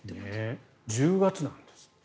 １０月なんです。